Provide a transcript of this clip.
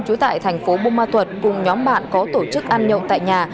trú tại thành phố bù ma thuật cùng nhóm bạn có tổ chức ăn nhậu tại nhà